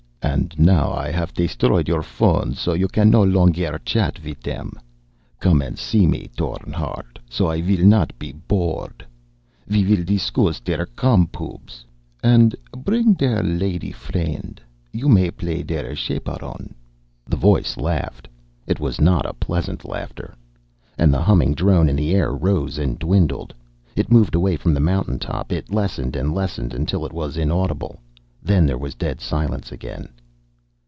And now I haff destroyed your phones so you can no longer chat with them. Come and see me, Thorn Hardt, so I will not be bored. We will discuss der Com Pubs. And bring der lady friend. You may play der chaperon!" The voice laughed. It was not pleasant laughter. And the humming drone in the air rose and dwindled. It moved away from the mountain top. It lessened and lessened until it was inaudible. Then there was dead silence again.